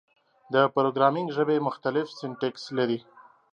د پروګرامینګ ژبې مختلف سینټکس لري.